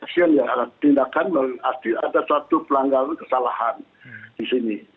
sudah mengambil aksi tindakan melatih atas satu pelanggaran kesalahan di sini